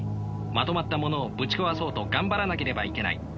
まとまったものをぶち壊そうと頑張らなければいけない。